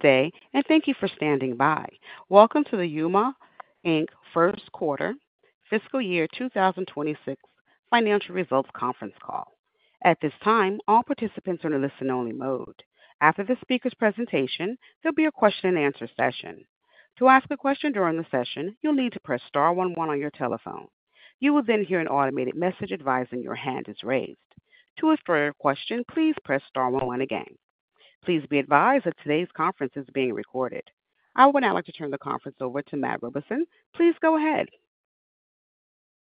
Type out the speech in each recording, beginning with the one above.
Today, and thank you for standing by. Welcome to the Ooma First Quarter, Fiscal Year 2026 Financial Results Conference Call. At this time, all participants are in a listen-only mode. After the speaker's presentation, there'll be a question-and-answer session. To ask a question during the session, you'll need to press star 11 on your telephone. You will then hear an automated message advising your hand is raised. To ask further questions, please press star 11 again. Please be advised that today's conference is being recorded. I would now like to turn the conference over to Matt Robison. Please go ahead.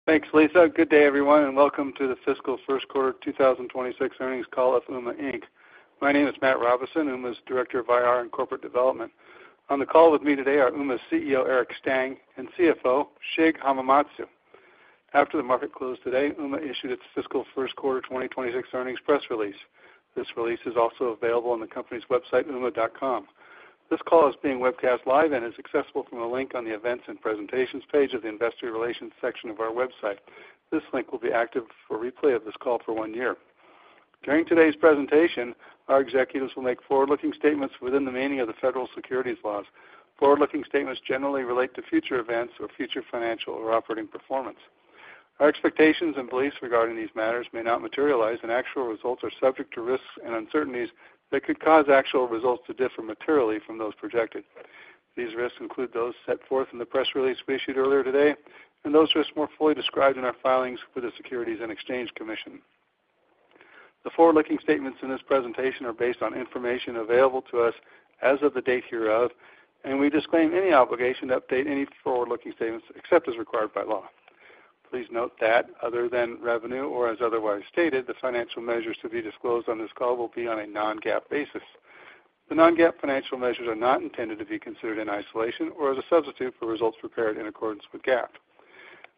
Thanks, Lisa. Good day, everyone, and welcome to the Fiscal First Quarter 2026 Earnings Call of Ooma. My name is Matt Robison, Ooma's Director of IR and Corporate Development. On the call with me today are Ooma's CEO, Eric Stang, and CFO, Shigeyuki Hamamatsu. After the market closed today, Ooma issued its Fiscal First Quarter 2026 earnings press release. This release is also available on the company's website, ooma.com. This call is being webcast live and is accessible from the link on the Events and Presentations page of the Investor Relations section of our website. This link will be active for replay of this call for one year. During today's presentation, our executives will make forward-looking statements within the meaning of the federal securities laws. Forward-looking statements generally relate to future events or future financial or operating performance. Our expectations and beliefs regarding these matters may not materialize, and actual results are subject to risks and uncertainties that could cause actual results to differ materially from those projected. These risks include those set forth in the press release we issued earlier today and those risks more fully described in our filings for the Securities and Exchange Commission. The forward-looking statements in this presentation are based on information available to us as of the date hereof, and we disclaim any obligation to update any forward-looking statements except as required by law. Please note that, other than revenue or as otherwise stated, the financial measures to be disclosed on this call will be on a non-GAAP basis. The non-GAAP financial measures are not intended to be considered in isolation or as a substitute for results prepared in accordance with GAAP.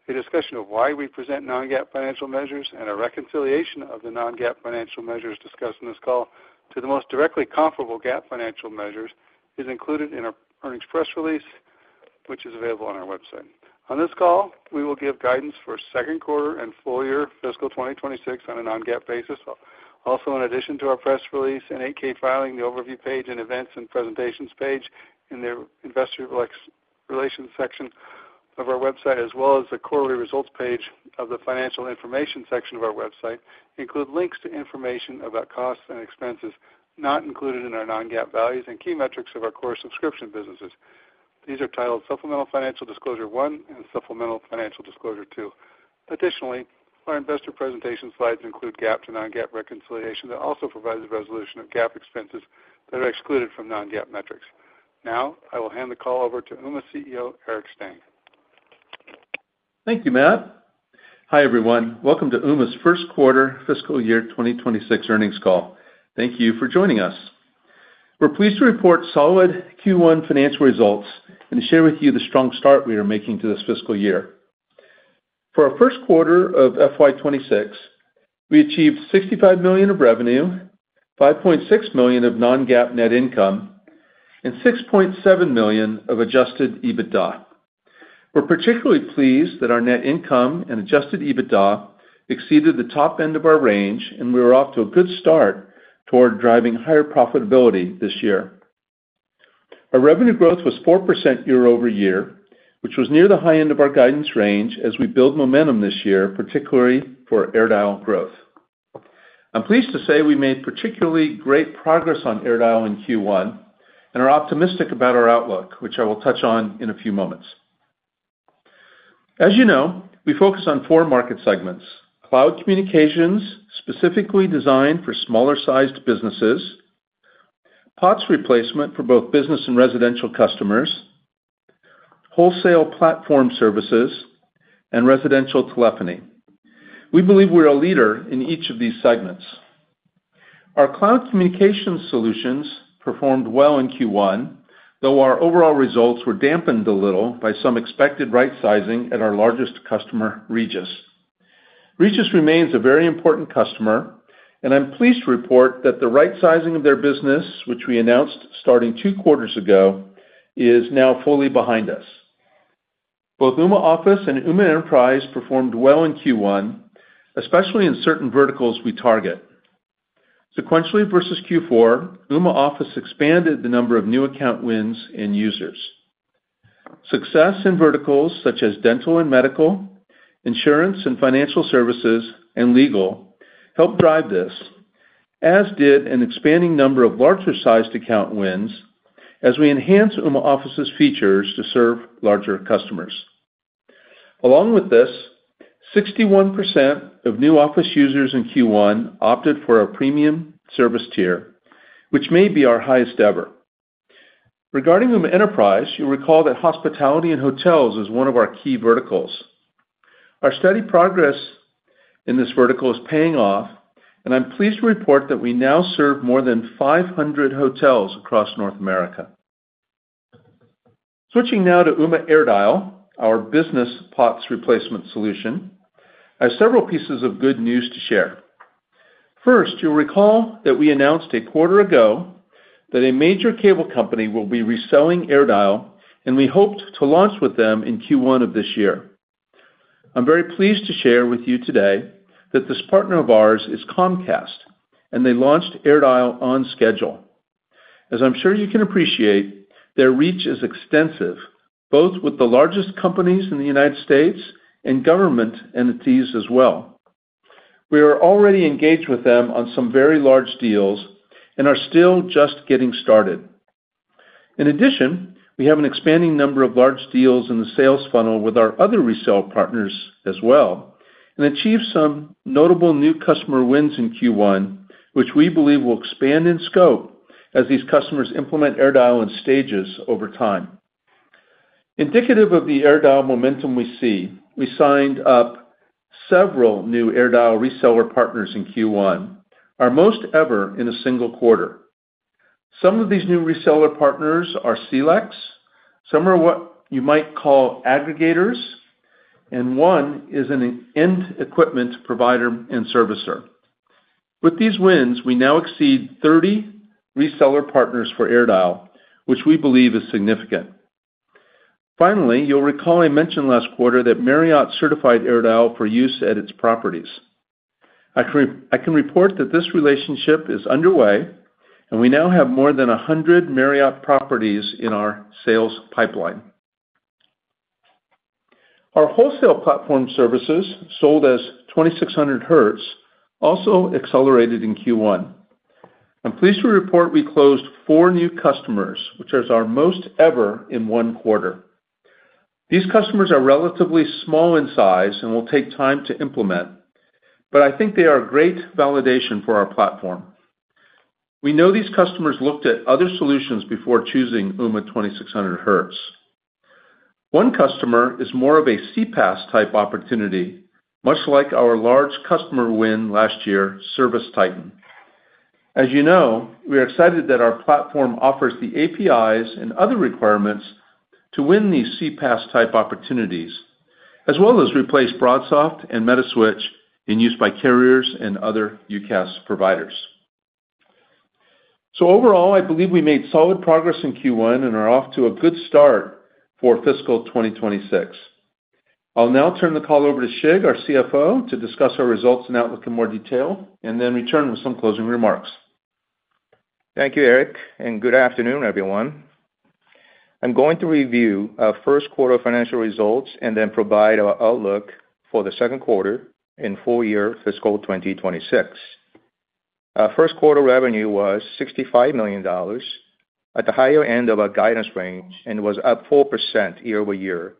A discussion of why we present non-GAAP financial measures and a reconciliation of the non-GAAP financial measures discussed in this call to the most directly comparable GAAP financial measures is included in our earnings press release, which is available on our website. On this call, we will give guidance for second quarter and full year Fiscal 2026 on a non-GAAP basis. Also, in addition to our press release and 8-K filing, the overview page and events and presentations page in the Investor Relations section of our website, as well as the quarterly results page of the Financial Information section of our website, include links to information about costs and expenses not included in our non-GAAP values and key metrics of our core subscription businesses. These are titled Supplemental Financial Disclosure 1 and Supplemental Financial Disclosure 2. Additionally, our investor presentation slides include GAAP to non-GAAP reconciliation that also provides a resolution of GAAP expenses that are excluded from non-GAAP metrics. Now, I will hand the call over to Ooma's CEO, Eric Stang. Thank you, Matt. Hi, everyone. Welcome to Ooma's First Quarter Fiscal Year 2026 Earnings Call. Thank you for joining us. We're pleased to report solid Q1 financial results and to share with you the strong start we are making to this fiscal year. For our first quarter of FY26, we achieved $65 million of revenue, $5.6 million of non-GAAP net income, and $6.7 million of adjusted EBITDA. We're particularly pleased that our net income and adjusted EBITDA exceeded the top end of our range, and we were off to a good start toward driving higher profitability this year. Our revenue growth was 4% year over year, which was near the high end of our guidance range as we build momentum this year, particularly for AirDial growth. I'm pleased to say we made particularly great progress on AirDial in Q1 and are optimistic about our outlook, which I will touch on in a few moments. As you know, we focus on four market segments: cloud communications, specifically designed for smaller-sized businesses; POTS replacement for both business and residential customers; wholesale platform services; and residential telephony. We believe we are a leader in each of these segments. Our cloud communications solutions performed well in Q1, though our overall results were dampened a little by some expected right-sizing at our largest customer, Regis. Regis remains a very important customer, and I'm pleased to report that the right-sizing of their business, which we announced starting two quarters ago, is now fully behind us. Both Ooma Office and Ooma Enterprise performed well in Q1, especially in certain verticals we target. Sequentially versus Q4, Ooma Office expanded the number of new account wins and users. Success in verticals such as dental and medical, insurance and financial services, and legal helped drive this, as did an expanding number of larger-sized account wins as we enhance Ooma Office's features to serve larger customers. Along with this, 61% of new Office users in Q1 opted for a premium service tier, which may be our highest ever. Regarding Ooma Enterprise, you'll recall that hospitality and hotels is one of our key verticals. Our steady progress in this vertical is paying off, and I'm pleased to report that we now serve more than 500 hotels across North America. Switching now to Ooma AirDial, our business POTS replacement solution, I have several pieces of good news to share. First, you'll recall that we announced a quarter ago that a major cable company will be reselling AirDial, and we hoped to launch with them in Q1 of this year. I'm very pleased to share with you today that this partner of ours is Comcast, and they launched AirDial on schedule. As I'm sure you can appreciate, their reach is extensive, both with the largest companies in the United States and government entities as well. We are already engaged with them on some very large deals and are still just getting started. In addition, we have an expanding number of large deals in the sales funnel with our other resale partners as well and achieved some notable new customer wins in Q1, which we believe will expand in scope as these customers implement AirDial in stages over time. Indicative of the AirDial momentum we see, we signed up several new AirDial reseller partners in Q1, our most ever in a single quarter. Some of these new reseller partners are Celex, some are what you might call aggregators, and one is an end equipment provider and servicer. With these wins, we now exceed 30 reseller partners for AirDial, which we believe is significant. Finally, you'll recall I mentioned last quarter that Marriott certified AirDial for use at its properties. I can report that this relationship is underway, and we now have more than 100 Marriott properties in our sales pipeline. Our wholesale platform services, sold as 2600Hz, also accelerated in Q1. I'm pleased to report we closed four new customers, which is our most ever in one quarter. These customers are relatively small in size and will take time to implement, but I think they are a great validation for our platform. We know these customers looked at other solutions before choosing Ooma 2600Hz. One customer is more of a CPaaS type opportunity, much like our large customer win last year, ServiceTitan. As you know, we are excited that our platform offers the APIs and other requirements to win these CPaaS type opportunities, as well as replace BroadSoft and Metaswitch in use by carriers and other UCaaS providers. Overall, I believe we made solid progress in Q1 and are off to a good start for Fiscal 2026. I'll now turn the call over to Shige, our CFO, to discuss our results and outlook in more detail and then return with some closing remarks. Thank you, Eric, and good afternoon, everyone. I'm going to review our first quarter financial results and then provide our outlook for the second quarter and full year Fiscal 2026. Our first quarter revenue was $65 million at the higher end of our guidance range and was up 4% year over year,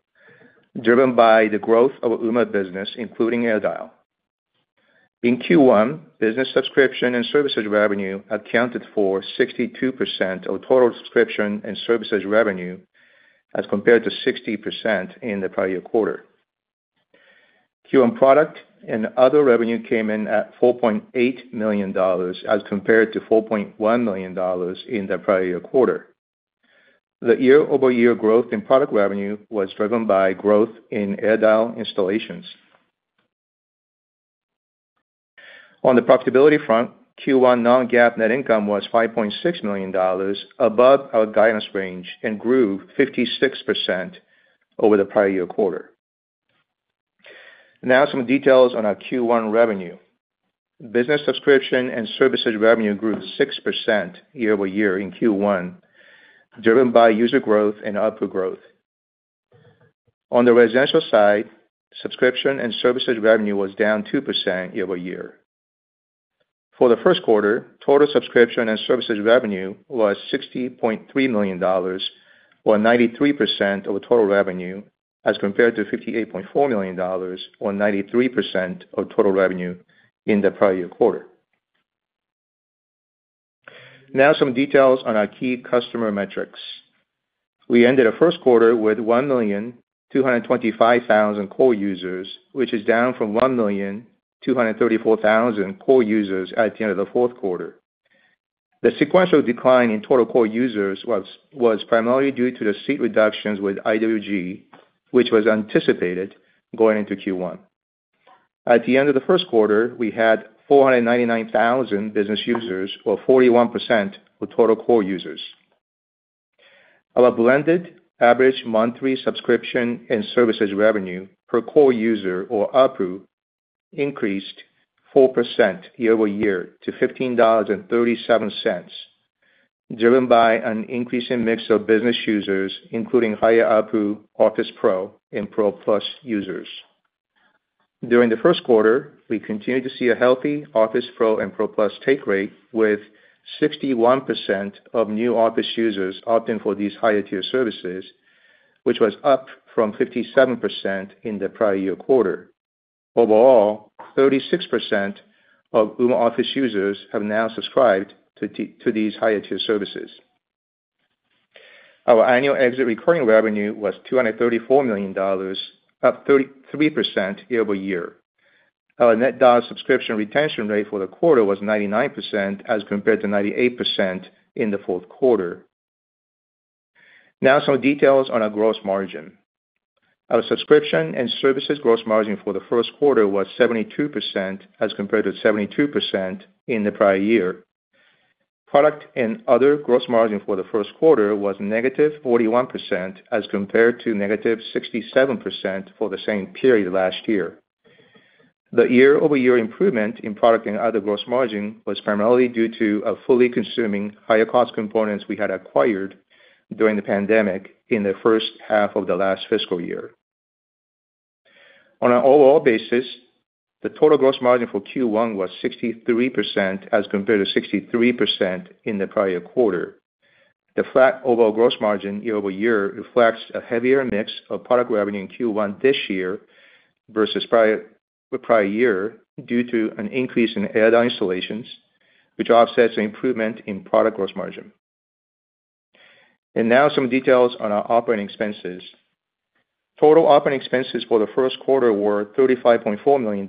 driven by the growth of Ooma business, including AirDial. In Q1, business subscription and services revenue accounted for 62% of total subscription and services revenue as compared to 60% in the prior quarter. Q1 product and other revenue came in at $4.8 million as compared to $4.1 million in the prior quarter. The year-over-year growth in product revenue was driven by growth in AirDial installations. On the profitability front, Q1 non-GAAP net income was $5.6 million, above our guidance range, and grew 56% over the prior year quarter. Now, some details on our Q1 revenue. Business subscription and services revenue grew 6% year-over-year in Q1, driven by user growth and output growth. On the residential side, subscription and services revenue was down 2% year-over-year. For the first quarter, total subscription and services revenue was $60.3 million, or 93% of total revenue, as compared to $58.4 million, or 93% of total revenue in the prior year quarter. Now, some details on our key customer metrics. We ended our first quarter with 1,225,000 core users, which is down from 1,234,000 core users at the end of the fourth quarter. The sequential decline in total core users was primarily due to the seat reductions with IWG, which was anticipated going into Q1. At the end of the first quarter, we had 499,000 business users, or 41% of total core users. Our blended average monthly subscription and services revenue per core user, or APU, increased 4% year-over-year to $15.37, driven by an increasing mix of business users, including higher APU, Office Pro, and Pro Plus users. During the first quarter, we continued to see a healthy Office Pro and Pro Plus take rate with 61% of new Office users opting for these higher-tier services, which was up from 57% in the prior year quarter. Overall, 36% of Ooma Office users have now subscribed to these higher-tier services. Our annual exit recurring revenue was $234 million, up 33% year-over-year. Our net dollar subscription retention rate for the quarter was 99% as compared to 98% in the fourth quarter. Now, some details on our gross margin. Our subscription and services gross margin for the first quarter was 72% as compared to 72% in the prior year. Product and other gross margin for the first quarter was negative 41% as compared to negative 67% for the same period last year. The year-over-year improvement in product and other gross margin was primarily due to fully consuming higher cost components we had acquired during the pandemic in the first half of the last fiscal year. On an overall basis, the total gross margin for Q1 was 63% as compared to 63% in the prior quarter. The flat overall gross margin year-over-year reflects a heavier mix of product revenue in Q1 this year versus the prior year due to an increase in AirDial installations, which offsets the improvement in product gross margin. Now, some details on our operating expenses. Total operating expenses for the first quarter were $35.4 million,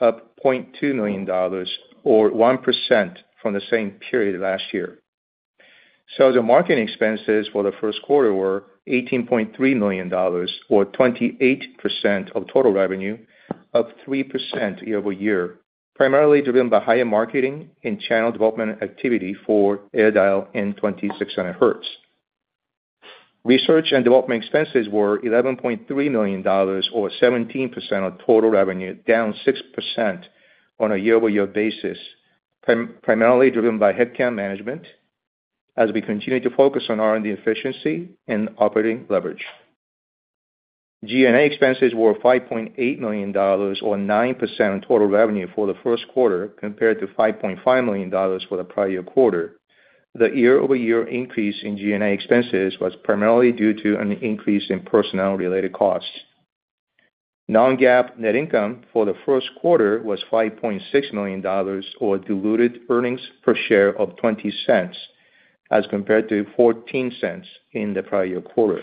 up $0.2 million, or 1% from the same period last year. Sales and marketing expenses for the first quarter were $18.3 million, or 28% of total revenue, up 3% year-over-year, primarily driven by higher marketing and channel development activity for AirDial and 2600Hz. Research and development expenses were $11.3 million, or 17% of total revenue, down 6% on a year-over-year basis, primarily driven by headcount management as we continue to focus on R&D efficiency and operating leverage. G&A expenses were $5.8 million, or 9% of total revenue for the first quarter compared to $5.5 million for the prior year quarter. The year-over-year increase in G&A expenses was primarily due to an increase in personnel-related costs. Non-GAAP net income for the first quarter was $5.6 million, or diluted earnings per share of $0.20 as compared to $0.14 in the prior year quarter.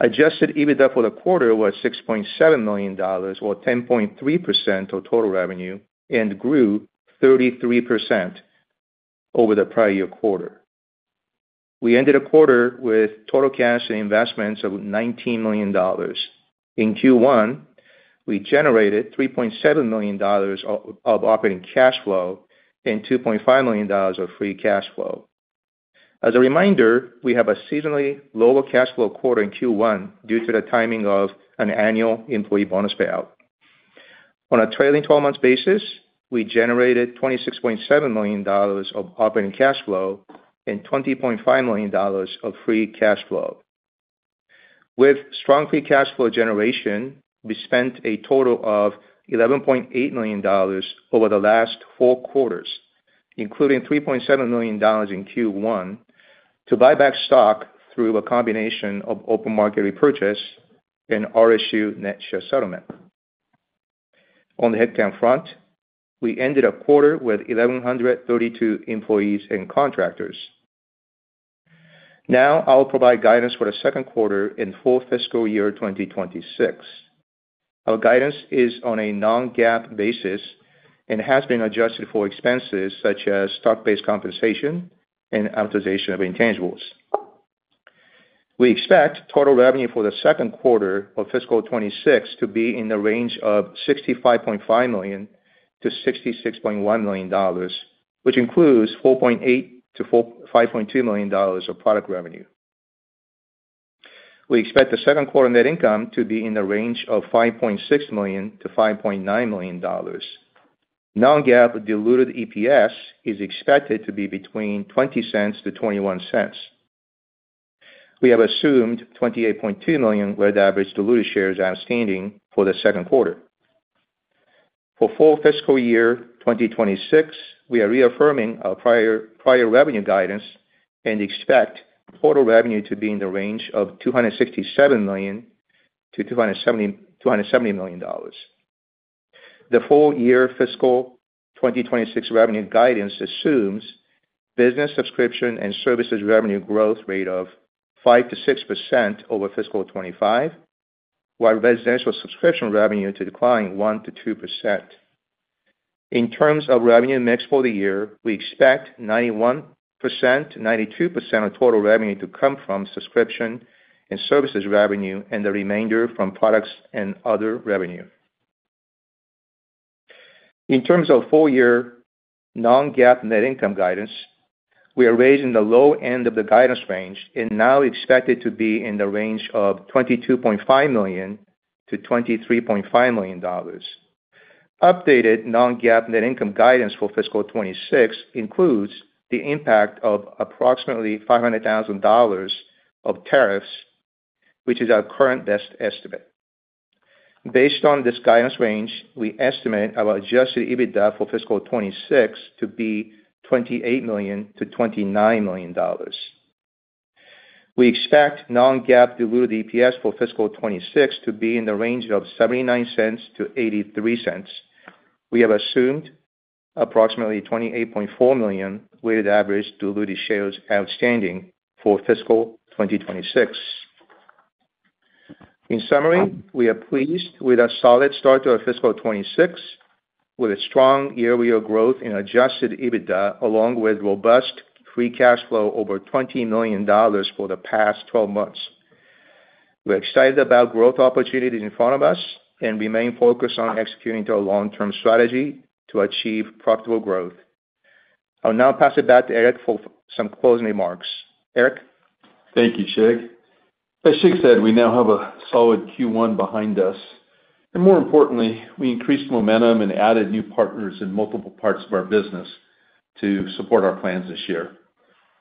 Adjusted EBITDA for the quarter was $6.7 million, or 10.3% of total revenue, and grew 33% over the prior year quarter. We ended the quarter with total cash and investments of $19 million. In Q1, we generated $3.7 million of operating cash flow and $2.5 million of free cash flow. As a reminder, we have a seasonally lower cash flow quarter in Q1 due to the timing of an annual employee bonus payout. On a trailing 12-month basis, we generated $26.7 million of operating cash flow and $20.5 million of free cash flow. With strong free cash flow generation, we spent a total of $11.8 million over the last four quarters, including $3.7 million in Q1, to buy back stock through a combination of open market repurchase and RSU net share settlement. On the headcount front, we ended a quarter with 1,132 employees and contractors. Now, I'll provide guidance for the second quarter and full fiscal year 2026. Our guidance is on a non-GAAP basis and has been adjusted for expenses such as stock-based compensation and amortization of intangibles. We expect total revenue for the second quarter of fiscal 2026 to be in the range of $65.5 million-$66.1 million, which includes $4.8-$5.2 million of product revenue. We expect the second quarter net income to be in the range of $5.6 million-$5.9 million. Non-GAAP diluted EPS is expected to be between $0.20-$0.21. We have assumed 28.2 million average diluted shares outstanding for the second quarter. For full fiscal year 2026, we are reaffirming our prior revenue guidance and expect total revenue to be in the range of $267 million-$270 million. The full year fiscal 2026 revenue guidance assumes business subscription and services revenue growth rate of 5%-6% over fiscal 2025, while residential subscription revenue to decline 1%-2%. In terms of revenue mix for the year, we expect 91%-92% of total revenue to come from subscription and services revenue and the remainder from products and other revenue. In terms of full year non-GAAP net income guidance, we are raising the low end of the guidance range and now expect it to be in the range of $22.5 million-$23.5 million. Updated non-GAAP net income guidance for fiscal 2026 includes the impact of approximately $500,000 of tariffs, which is our current best estimate. Based on this guidance range, we estimate our adjusted EBITDA for fiscal 2026 to be $28 million-$29 million. We expect non-GAAP diluted EPS for fiscal 2026 to be in the range of $0.79-$0.83. We have assumed approximately 28.4 million average diluted shares outstanding for fiscal 2026. In summary, we are pleased with a solid start to our fiscal 2026 with strong year-over-year growth in adjusted EBITDA, along with robust free cash flow over $20 million for the past 12 months. We're excited about growth opportunities in front of us and remain focused on executing our long-term strategy to achieve profitable growth. I'll now pass it back to Eric for some closing remarks. Eric? Thank you, Shige. As Shige said, we now have a solid Q1 behind us. More importantly, we increased momentum and added new partners in multiple parts of our business to support our plans this year.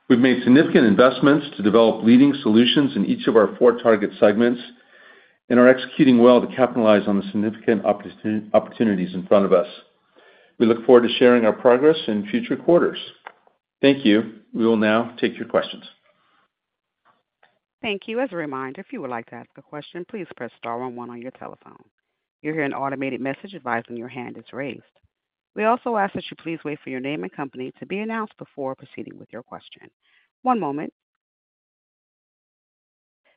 We have made significant investments to develop leading solutions in each of our four target segments and are executing well to capitalize on the significant opportunities in front of us. We look forward to sharing our progress in future quarters. Thank you. We will now take your questions. Thank you. As a reminder, if you would like to ask a question, please press star one on your telephone. You'll hear an automated message advising your hand is raised. We also ask that you please wait for your name and company to be announced before proceeding with your question. One moment.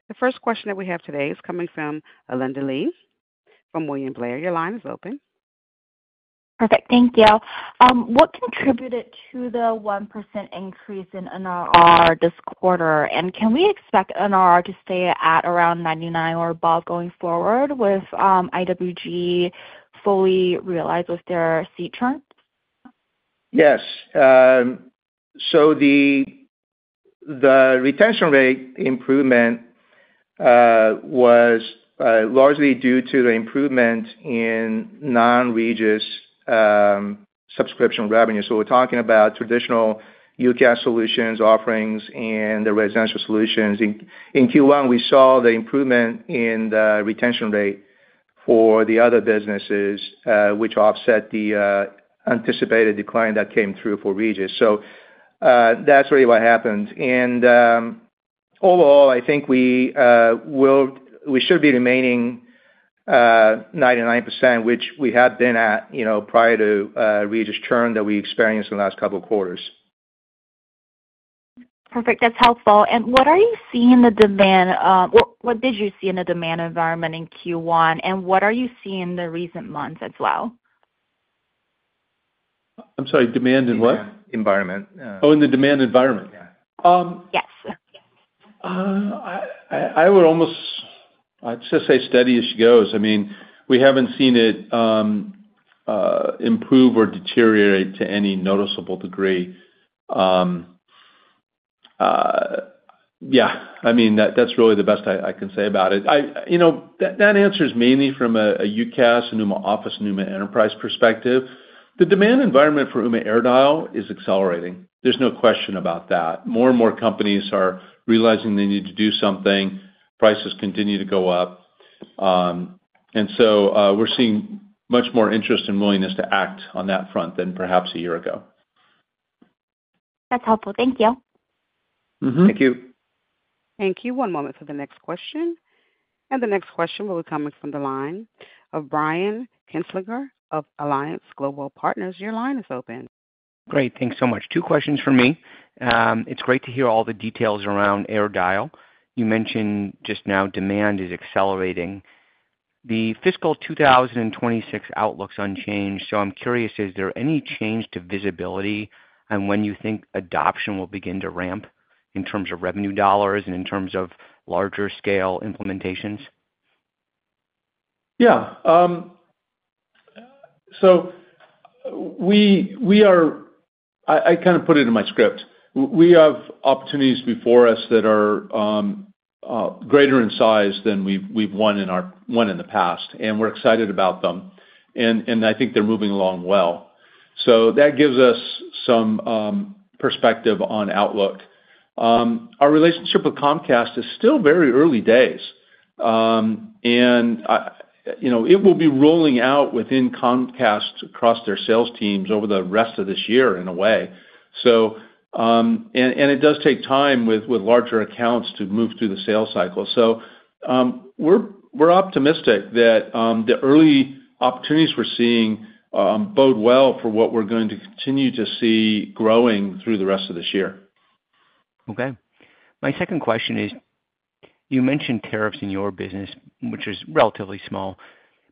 The first question that we have today is coming from Alinda Li from William Blair. Your line is open. Perfect. Thank you. What contributed to the 1% increase in NRR this quarter? Can we expect NRR to stay at around 99% or above going forward with IWG fully realized with their seat churn? Yes. The retention rate improvement was largely due to the improvement in non-Regis subscription revenue. We are talking about traditional UCaaS solutions offerings and the residential solutions. In Q1, we saw the improvement in the retention rate for the other businesses, which offset the anticipated decline that came through for Regis. That is really what happened. Overall, I think we should be remaining at 99%, which we have been at prior to the Regis churn that we experienced in the last couple of quarters. Perfect. That's helpful. What are you seeing in the demand? What did you see in the demand environment in Q1? What are you seeing in the recent months as well? I'm sorry. Demand in what? Environment. Oh, in the demand environment. Yes. I would almost, I'd just say steady as she goes. I mean, we haven't seen it improve or deteriorate to any noticeable degree. Yeah. I mean, that's really the best I can say about it. That answer is mainly from a UCaaS and Ooma Office and Ooma Enterprise perspective. The demand environment for Ooma AirDial is accelerating. There's no question about that. More and more companies are realizing they need to do something. Prices continue to go up. We are seeing much more interest and willingness to act on that front than perhaps a year ago. That's helpful. Thank you. Thank you. Thank you. One moment for the next question. The next question will be coming from the line of Brian Kinstlinger of Alliance Global Partners. Your line is open. Great. Thanks so much. Two questions for me. It's great to hear all the details around AirDial. You mentioned just now demand is accelerating. The fiscal 2026 outlook's unchanged. I'm curious, is there any change to visibility on when you think adoption will begin to ramp in terms of revenue dollars and in terms of larger scale implementations? Yeah. So we are, I kind of put it in my script. We have opportunities before us that are greater in size than we've won in the past. And we're excited about them. I think they're moving along well. That gives us some perspective on outlook. Our relationship with Comcast is still very early days. It will be rolling out within Comcast across their sales teams over the rest of this year in a way. It does take time with larger accounts to move through the sales cycle. We're optimistic that the early opportunities we're seeing bode well for what we're going to continue to see growing through the rest of this year. Okay. My second question is, you mentioned tariffs in your business, which is relatively small.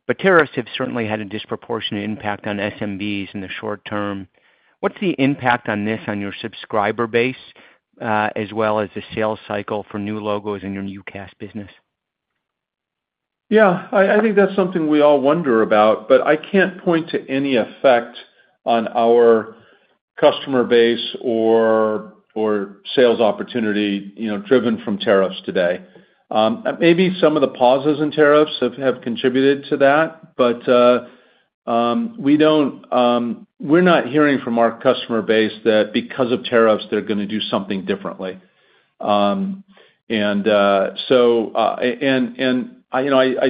But tariffs have certainly had a disproportionate impact on SMBs in the short term. What's the impact on this on your subscriber base as well as the sales cycle for new logos in your UCaaS business? Yeah. I think that's something we all wonder about. I can't point to any effect on our customer base or sales opportunity driven from tariffs today. Maybe some of the pauses in tariffs have contributed to that. We're not hearing from our customer base that because of tariffs, they're going to do something differently. I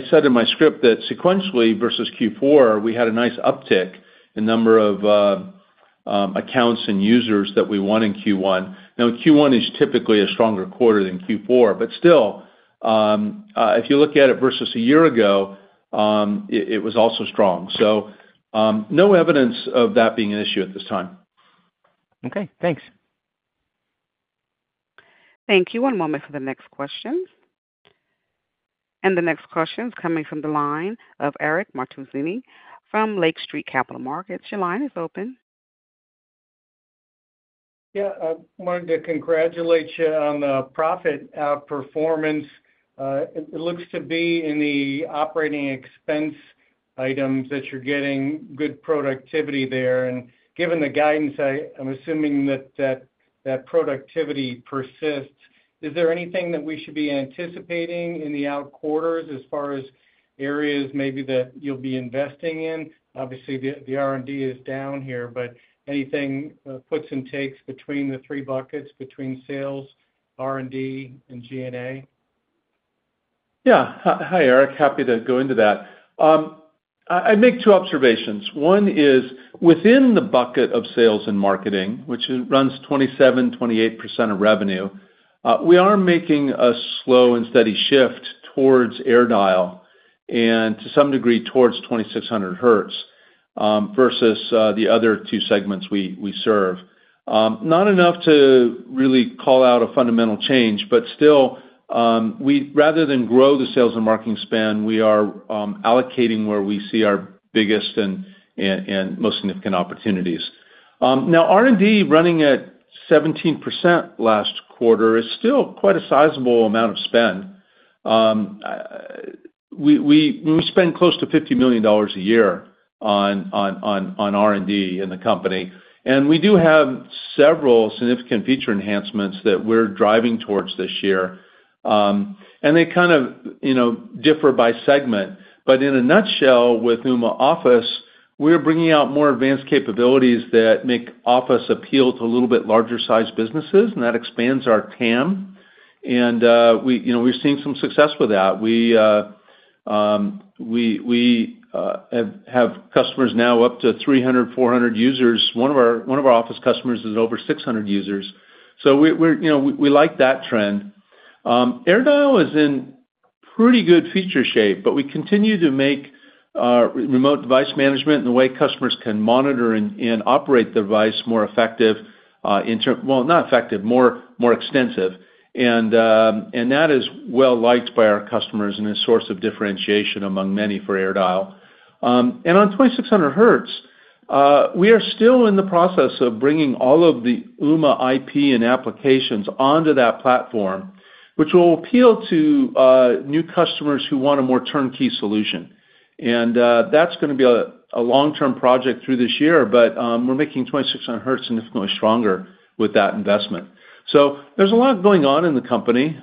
said in my script that sequentially versus Q4, we had a nice uptick in number of accounts and users that we won in Q1. Q1 is typically a stronger quarter than Q4. Still, if you look at it versus a year ago, it was also strong. No evidence of that being an issue at this time. Okay. Thanks. Thank you. One moment for the next question. The next question is coming from the line of Eric Martiuzini from Lake Street Capital Markets. Your line is open. Yeah. I wanted to congratulate you on the profit outperformance. It looks to be in the operating expense items that you're getting good productivity there. Given the guidance, I'm assuming that that productivity persists. Is there anything that we should be anticipating in the out quarters as far as areas maybe that you'll be investing in? Obviously, the R&D is down here. Anything puts and takes between the three buckets between sales, R&D, and G&A? Yeah. Hi, Eric. Happy to go into that. I'd make two observations. One is within the bucket of sales and marketing, which runs 27%-28% of revenue, we are making a slow and steady shift towards AirDial and to some degree towards 2600Hz versus the other two segments we serve. Not enough to really call out a fundamental change. Still, rather than grow the sales and marketing spend, we are allocating where we see our biggest and most significant opportunities. Now, R&D running at 17% last quarter is still quite a sizable amount of spend. We spend close to $50 million a year on R&D in the company. We do have several significant feature enhancements that we're driving towards this year. They kind of differ by segment. In a nutshell, with Ooma Office, we're bringing out more advanced capabilities that make Office appeal to a little bit larger size businesses. That expands our TAM. We're seeing some success with that. We have customers now up to 300-400 users. One of our Office customers is over 600 users. We like that trend. AirDial is in pretty good feature shape. We continue to make remote device management and the way customers can monitor and operate the device more effective, well, not effective, more extensive. That is well liked by our customers and a source of differentiation among many for AirDial. On 2600Hz, we are still in the process of bringing all of the Ooma IP and applications onto that platform, which will appeal to new customers who want a more turnkey solution. That's going to be a long-term project through this year. We are making 2600Hz significantly stronger with that investment. There is a lot going on in the company.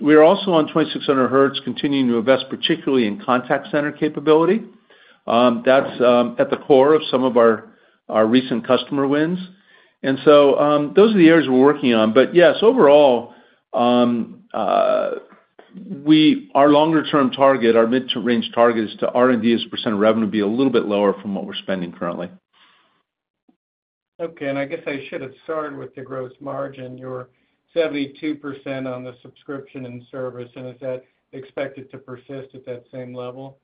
We are also on 2600Hz continuing to invest particularly in contact center capability. That is at the core of some of our recent customer wins. Those are the areas we are working on. Yes, overall, our longer-term target, our mid-range target is to have R&D as a percent of revenue be a little bit lower from what we are spending currently. Okay. I guess I should have started with the gross margin. You're 72% on the subscription and service. Is that expected to persist at that same level?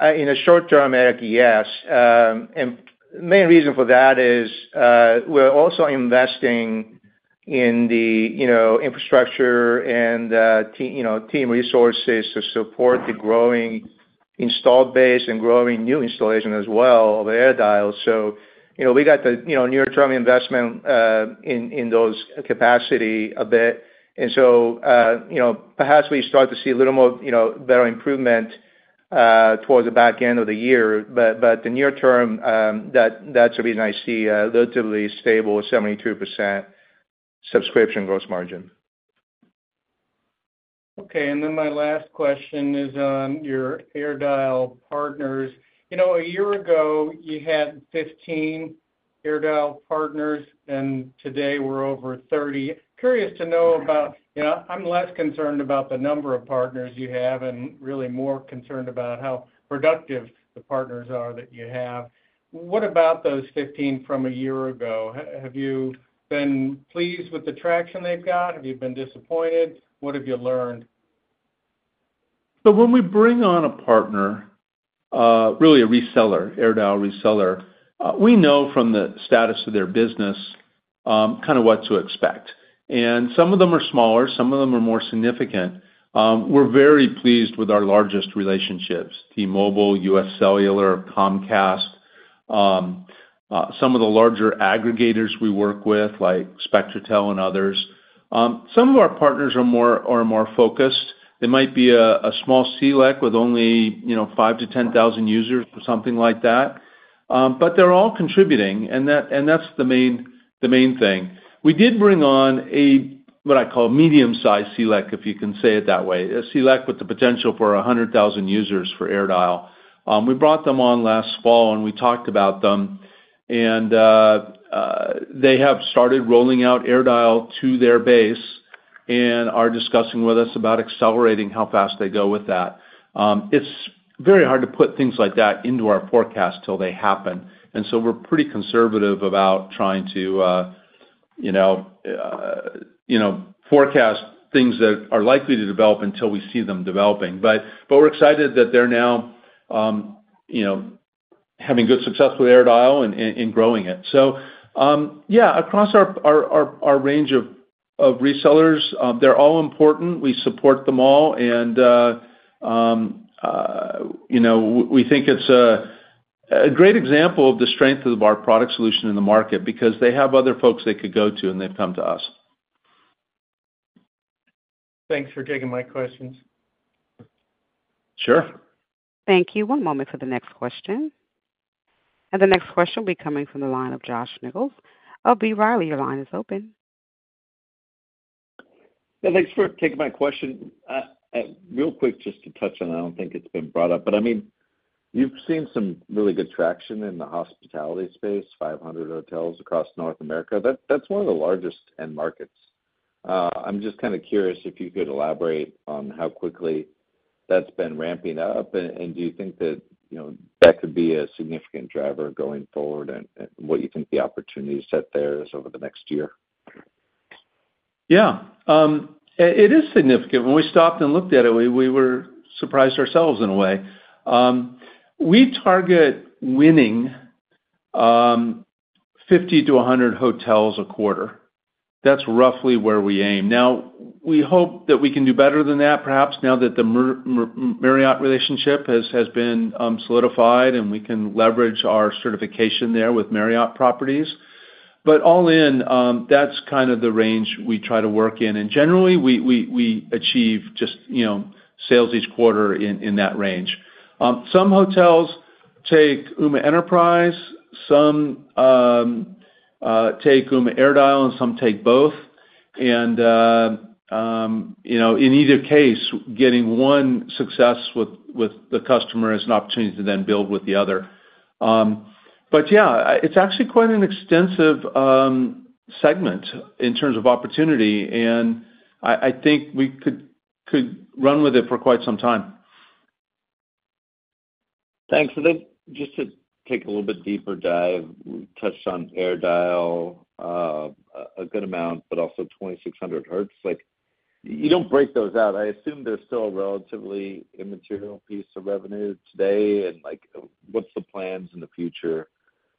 In the short term, Eric, yes. The main reason for that is we're also investing in the infrastructure and team resources to support the growing installed base and growing new installation as well of AirDial. We got the near-term investment in those capacity a bit. Perhaps we start to see a little more better improvement towards the back end of the year. The near term, that's the reason I see a relatively stable 72% subscription gross margin. Okay. And then my last question is on your AirDial partners. A year ago, you had 15 AirDial partners. And today, we're over 30. Curious to know about, I'm less concerned about the number of partners you have and really more concerned about how productive the partners are that you have. What about those 15 from a year ago? Have you been pleased with the traction they've got? Have you been disappointed? What have you learned? When we bring on a partner, really a reseller, AirDial reseller, we know from the status of their business kind of what to expect. Some of them are smaller. Some of them are more significant. We're very pleased with our largest relationships: T-Mobile, US Cellular, Comcast, some of the larger aggregators we work with like SpectraTel and others. Some of our partners are more focused. They might be a small CLEC with only 5,000-10,000 users or something like that. They're all contributing, and that's the main thing. We did bring on what I call a medium-sized CLEC, if you can say it that way, a CLEC with the potential for 100,000 users for AirDial. We brought them on last fall, and we talked about them. They have started rolling out AirDial to their base and are discussing with us about accelerating how fast they go with that. It is very hard to put things like that into our forecast till they happen. We are pretty conservative about trying to forecast things that are likely to develop until we see them developing. We are excited that they are now having good success with AirDial and growing it. Across our range of resellers, they are all important. We support them all. We think it is a great example of the strength of our product solution in the market because they have other folks they could go to. They have come to us. Thanks for taking my questions. Sure. Thank you. One moment for the next question. The next question will be coming from the line of Josh Nichols. Josh Nichols, your line is open. Yeah. Thanks for taking my question. Real quick, just to touch on it. I don't think it's been brought up. I mean, you've seen some really good traction in the hospitality space, 500 hotels across North America. That's one of the largest end markets. I'm just kind of curious if you could elaborate on how quickly that's been ramping up. Do you think that that could be a significant driver going forward and what you think the opportunity set there is over the next year? Yeah. It is significant. When we stopped and looked at it, we were surprised ourselves in a way. We target winning 50-100 hotels a quarter. That's roughly where we aim. Now, we hope that we can do better than that perhaps now that the Marriott relationship has been solidified and we can leverage our certification there with Marriott properties. All in, that's kind of the range we try to work in. Generally, we achieve just sales each quarter in that range. Some hotels take Ooma Enterprise. Some take Ooma AirDial. Some take both. In either case, getting one success with the customer is an opportunity to then build with the other. Yeah, it's actually quite an extensive segment in terms of opportunity. I think we could run with it for quite some time. Thanks. And then just to take a little bit deeper dive, we touched on AirDial a good amount, but also 2600Hz. You don't break those out. I assume they're still a relatively immaterial piece of revenue today. And what's the plans in the future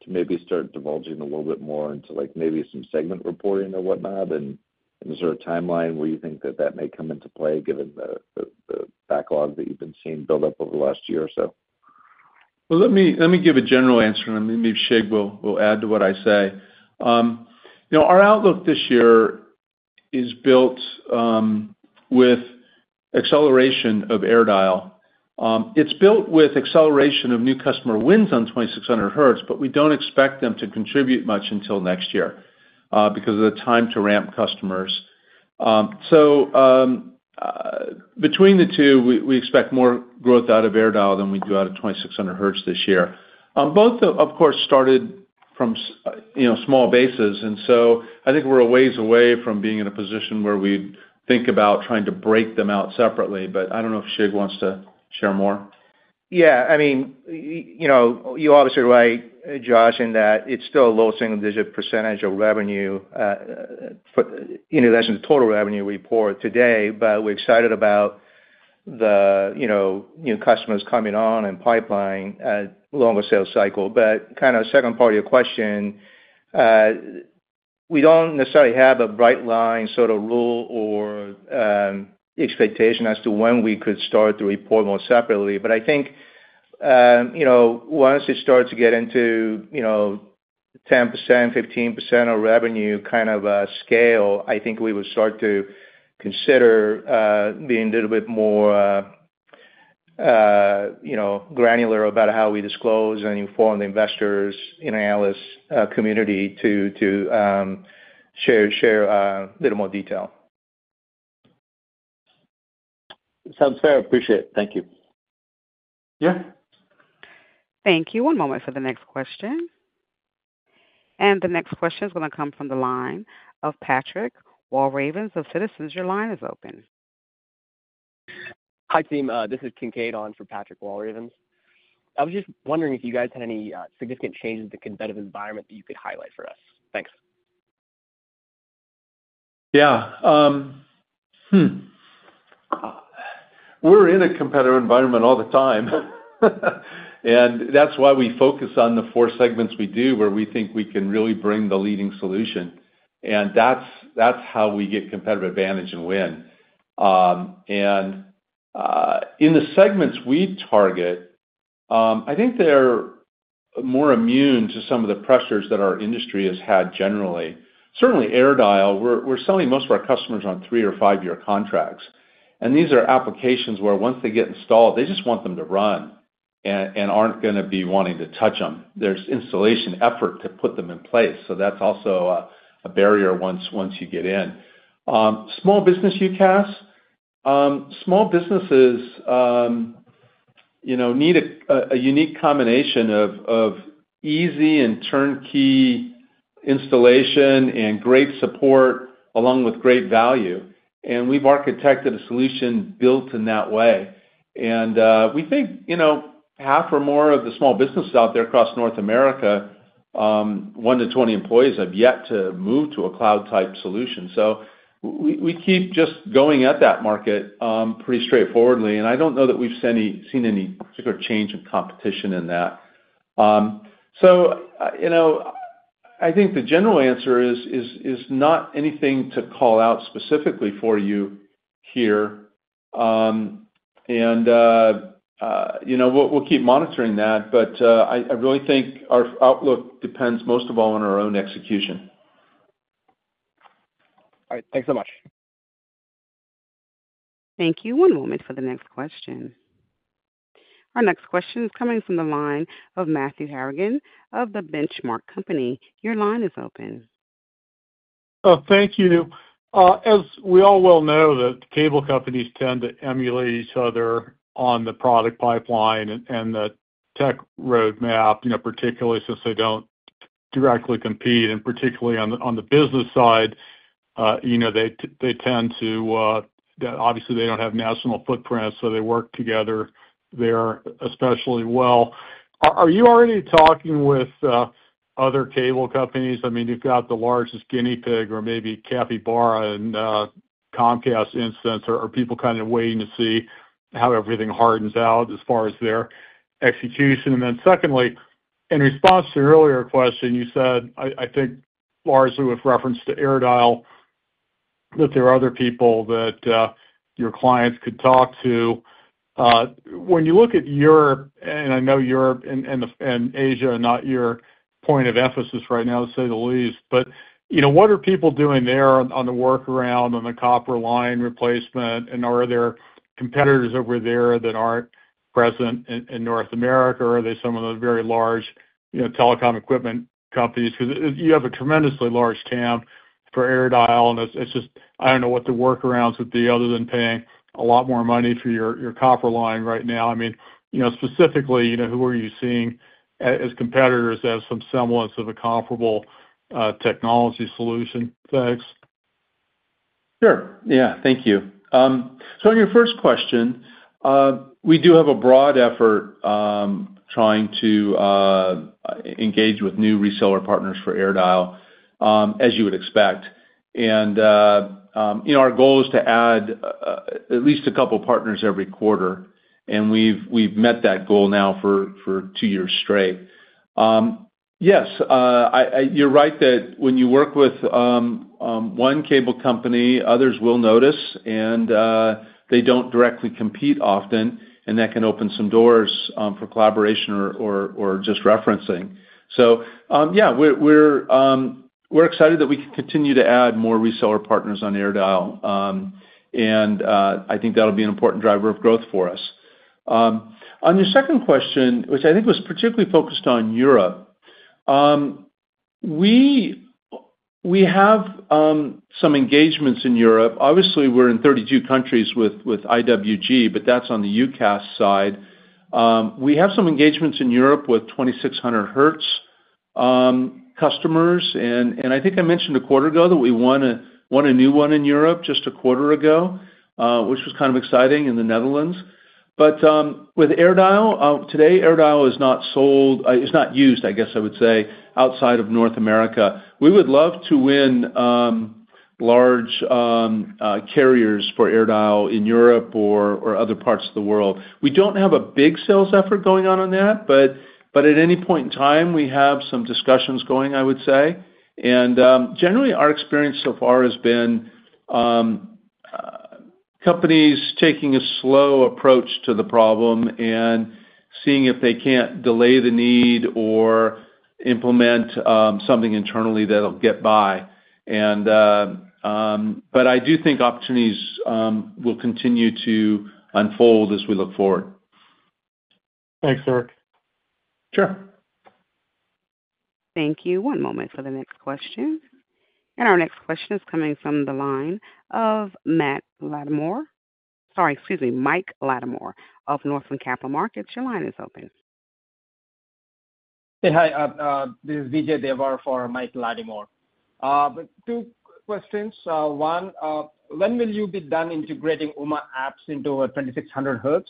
to maybe start divulging a little bit more into maybe some segment reporting or whatnot? And is there a timeline where you think that that may come into play given the backlog that you've been seeing build up over the last year or so? Let me give a general answer. Maybe Shig will add to what I say. Our outlook this year is built with acceleration of AirDial. It is built with acceleration of new customer wins on 2600Hz. We do not expect them to contribute much until next year because of the time to ramp customers. Between the two, we expect more growth out of AirDial than we do out of 2600Hz this year. Both, of course, started from small bases. I think we are a ways away from being in a position where we think about trying to break them out separately. I do not know if Shig wants to share more. Yeah. I mean, you're obviously right, Josh, in that it's still a low single-digit % of revenue in relation to total revenue report today. But we're excited about the new customers coming on and pipelining along the sales cycle. Kind of second part of your question, we don't necessarily have a bright line sort of rule or expectation as to when we could start to report more separately. I think once it starts to get into 10%-15% of revenue kind of scale, I think we would start to consider being a little bit more granular about how we disclose and inform the investors in analyst community to share a little more detail. Sounds fair. Appreciate it. Thank you. Yeah. Thank you. One moment for the next question. The next question is going to come from the line of Patrick Walravens of Citizens. Your line is open. Hi team. This is Ken Cadon for Patrick Walravens. I was just wondering if you guys had any significant changes in the competitive environment that you could highlight for us. Thanks. Yeah. We're in a competitive environment all the time. That's why we focus on the four segments we do where we think we can really bring the leading solution. That's how we get competitive advantage and win. In the segments we target, I think they're more immune to some of the pressures that our industry has had generally. Certainly, AirDial, we're selling most of our customers on three- or five-year contracts. These are applications where once they get installed, they just want them to run and aren't going to be wanting to touch them. There's installation effort to put them in place. That's also a barrier once you get in. Small business, UCaaS. Small businesses need a unique combination of easy and turnkey installation and great support along with great value. We've architected a solution built in that way. We think half or more of the small businesses out there across North America, 1 to 20 employees, have yet to move to a cloud-type solution. We keep just going at that market pretty straightforwardly. I do not know that we have seen any particular change in competition in that. I think the general answer is not anything to call out specifically for you here. We will keep monitoring that. I really think our outlook depends most of all on our own execution. All right. Thanks so much. Thank you. One moment for the next question. Our next question is coming from the line of Matthew Harrigan of The Benchmark Company. Your line is open. Oh, thank you. As we all well know, the cable companies tend to emulate each other on the product pipeline and the tech roadmap, particularly since they do not directly compete. Particularly on the business side, they tend to, obviously, they do not have national footprints. They work together there especially well. Are you already talking with other cable companies? I mean, you have got the largest Guinea Pig or maybe Capybara in the Comcast instance. Are people kind of waiting to see how everything hardens out as far as their execution? Secondly, in response to your earlier question, you said, I think largely with reference to AirDial, that there are other people that your clients could talk to. When you look at Europe, and I know Europe and Asia are not your point of emphasis right now, to say the least. What are people doing there on the workaround on the copper line replacement? Are there competitors over there that are not present in North America? Are they some of the very large telecom equipment companies? You have a tremendously large TAM for AirDial. I do not know what the workarounds would be other than paying a lot more money for your copper line right now. I mean, specifically, who are you seeing as competitors as some semblance of a comparable technology solution? Thanks. Sure. Yeah. Thank you. On your first question, we do have a broad effort trying to engage with new reseller partners for AirDial, as you would expect. Our goal is to add at least a couple of partners every quarter. We have met that goal now for two years straight. Yes, you're right that when you work with one cable company, others will notice. They do not directly compete often. That can open some doors for collaboration or just referencing. Yeah, we are excited that we can continue to add more reseller partners on AirDial. I think that will be an important driver of growth for us. On your second question, which I think was particularly focused on Europe, we have some engagements in Europe. Obviously, we are in 32 countries with IWG. That is on the UCaaS side. We have some engagements in Europe with 2600Hz customers. I think I mentioned a quarter ago that we won a new one in Europe just a quarter ago, which was kind of exciting in the Netherlands. With AirDial today, AirDial is not sold, is not used, I guess I would say, outside of North America. We would love to win large carriers for AirDial in Europe or other parts of the world. We do not have a big sales effort going on on that. At any point in time, we have some discussions going, I would say. Generally, our experience so far has been companies taking a slow approach to the problem and seeing if they cannot delay the need or implement something internally that will get by. I do think opportunities will continue to unfold as we look forward. Thanks, Eric. Sure. Thank you. One moment for the next question. Our next question is coming from the line of Mike Lattimore of Northland Capital Markets. Your line is open. Hey, hi. This is Vijay Devar for Mike Lattimore. Two questions. One, when will you be done integrating Ooma apps into 2600Hz?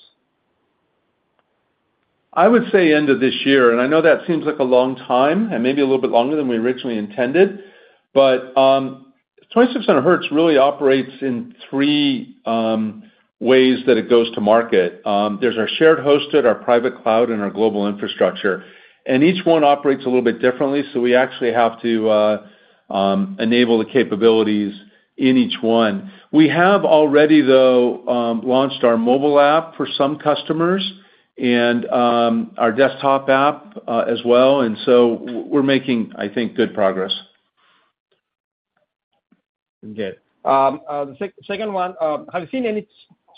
I would say end of this year. I know that seems like a long time and maybe a little bit longer than we originally intended. But 2600Hz really operates in three ways that it goes to market. There is our shared hosted, our private cloud, and our global infrastructure. Each one operates a little bit differently. We actually have to enable the capabilities in each one. We have already, though, launched our mobile app for some customers and our desktop app as well. We are making, I think, good progress. Good. The second one, have you seen any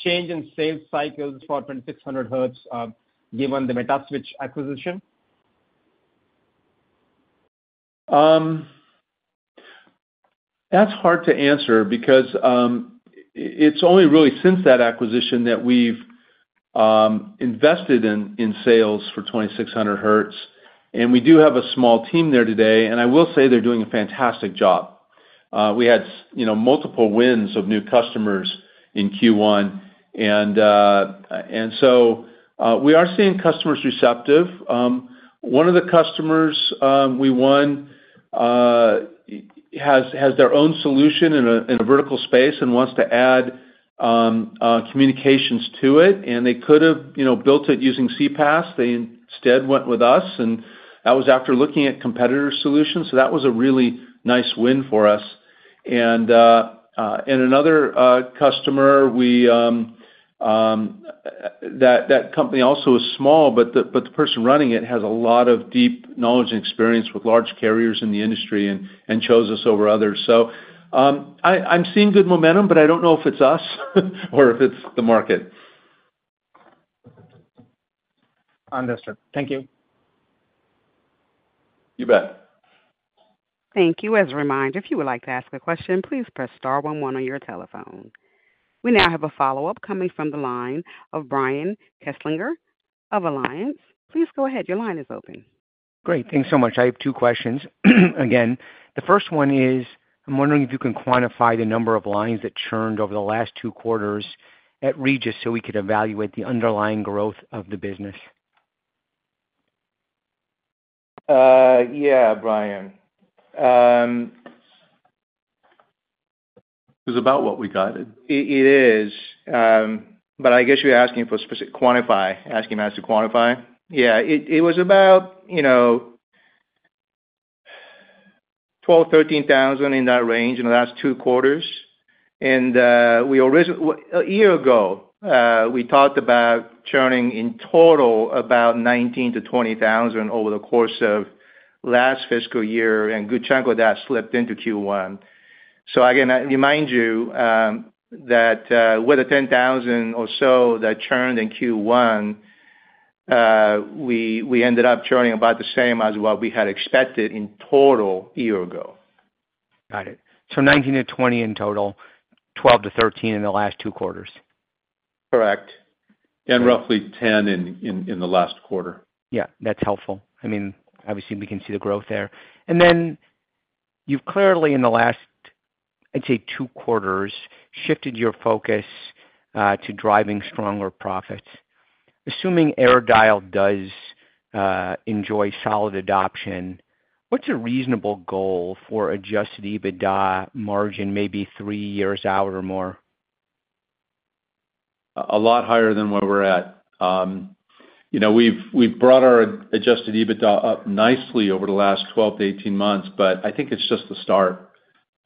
change in sales cycles for 2600Hz given the Metaswitch acquisition? That's hard to answer because it's only really since that acquisition that we've invested in sales for 2600Hz. We do have a small team there today. I will say they're doing a fantastic job. We had multiple wins of new customers in Q1. We are seeing customers receptive. One of the customers we won has their own solution in a vertical space and wants to add communications to it. They could have built it using CPaaS. They instead went with us. That was after looking at competitor solutions. That was a really nice win for us. Another customer, that company also is small. The person running it has a lot of deep knowledge and experience with large carriers in the industry and chose us over others. I'm seeing good momentum. I don't know if it's us or if it's the market. Understood. Thank you. You bet. Thank you. As a reminder, if you would like to ask a question, please press star 11 on your telephone. We now have a follow-up coming from the line of Brian Kinstlinger of Alliance. Please go ahead. Your line is open. Great. Thanks so much. I have two questions again. The first one is I'm wondering if you can quantify the number of lines that churned over the last two quarters at Regis so we could evaluate the underlying growth of the business. Yeah, Brian. It was about what we got it. It is. I guess you're asking for specific quantify, asking us to quantify. Yeah. It was about 12,000-13,000 in that range in the last two quarters. A year ago, we talked about churning in total about 19,000-20,000 over the course of last fiscal year. A good chunk of that slipped into Q1. Again, I remind you that with the 10,000 or so that churned in Q1, we ended up churning about the same as what we had expected in total a year ago. Got it. So 19-20 in total, 12-13 in the last two quarters. Correct. Roughly 10 in the last quarter. Yeah. That's helpful. I mean, obviously, we can see the growth there. And then you've clearly, in the last, I'd say, two quarters, shifted your focus to driving stronger profits. Assuming AirDial does enjoy solid adoption, what's a reasonable goal for adjusted EBITDA margin, maybe three years out or more? A lot higher than where we're at. We've brought our adjusted EBITDA up nicely over the last 12 to 18 months. I think it's just the start.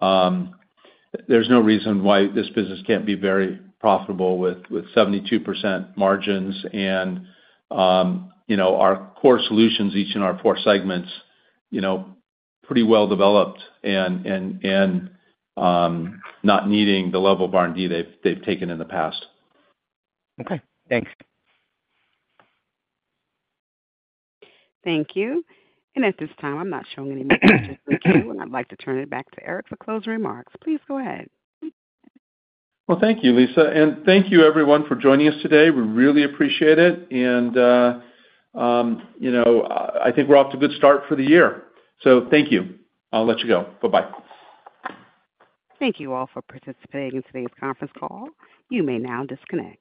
There's no reason why this business can't be very profitable with 72% margins. And our core solutions, each in our four segments, pretty well developed and not needing the level of R&D they've taken in the past. Okay. Thanks. Thank you. At this time, I'm not showing any more questions from the panel. I'd like to turn it back to Eric for closing remarks. Please go ahead. Thank you, Lisa. And thank you, everyone, for joining us today. We really appreciate it. I think we're off to a good start for the year. Thank you. I'll let you go. Bye-bye. Thank you all for participating in today's conference call. You may now disconnect.